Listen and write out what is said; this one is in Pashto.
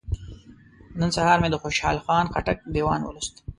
نن سهار مې د خوشحال خان خټک دیوان ولوست.